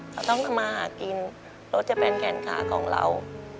เขาต้องทำมาหากินรถจะเป็นแขนขาของเรา